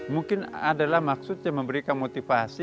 mungkin adalah maksud yang memberikan motivasi